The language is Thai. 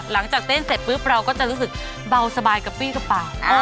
หลังจากเต้นเสร็จปุ๊บเราก็จะรู้สึกเบาสบายกระปี้กับปาก